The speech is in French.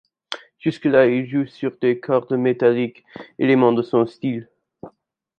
Jusque-là, il joue sur des cordes métalliques, élément de son style.